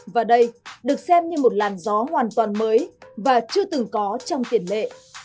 và đây được xem như một làn gió hoàn toàn mới và chưa từng có trong tiền lệ